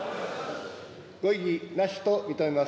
ご異議なしと認めます。